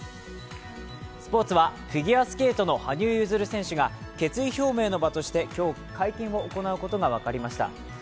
スポーツはフィギュアスケートの羽生結弦選手が決意表明の場として今日、会見を行うことが分かりました。